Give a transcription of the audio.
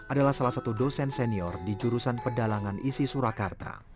adalah salah satu dosen senior di jurusan pedalangan isi surakarta